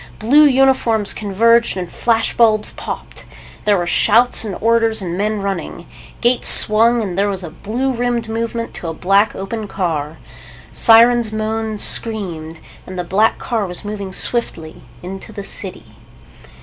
Blue uniforms converged and flash bulbs popped. There were shouts and orders and men running. Gates swung and there was a blue rimmed movement to a black open car. Sirens moaned, screamed. And the black car was moving swiftly into the city.